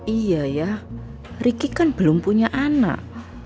iya ya riki kan belum punya anak